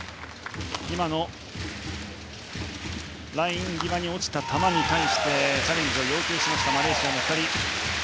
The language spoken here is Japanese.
今のライン際に落ちた球に対してチャレンジを要求しましたマレーシアの２人。